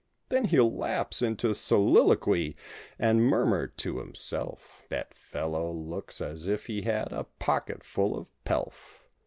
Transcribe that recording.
Then he'll lapse into soliloquy and murmur to him¬ self— "That fellow looks as if he had a pocket full of pelf!"